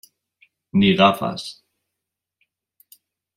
ni gafas.